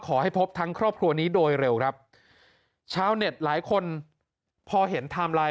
ขอให้พบทั้งครอบครัวนี้โดยเร็วครับชาวเน็ตหลายคนพอเห็นไทม์ไลน์